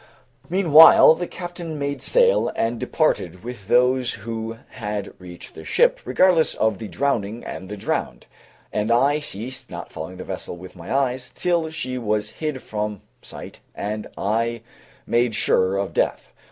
Meanwhile, the captain made sail and departed with those who had reached the ship, regardless of the drowning and the drowned; and I ceased not following the vessel with my eyes, till she was hid from sight and I made sure of death.